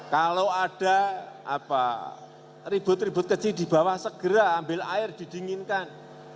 kalau ada ribut ribut kecil di bawah segera ambil air didinginkan